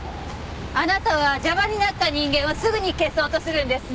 あなたは邪魔になった人間をすぐに消そうとするんですね。